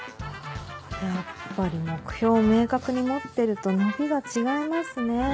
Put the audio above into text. やっぱり目標を明確に持ってると伸びが違いますね。